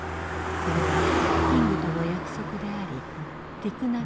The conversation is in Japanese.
それはキングとの約束でありティク